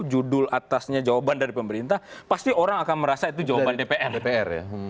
judul atasnya jawaban dari pemerintah pasti orang akan merasa itu jawaban dpr dpr ya